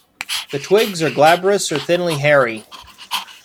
The twigs are glabrous or thinly hairy.